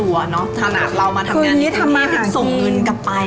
ถ้าหนัดเรามาทำงานจุ่นนี้ยังส่งเงินกลับไป